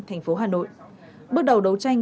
thành phố hà nội bước đầu đấu tranh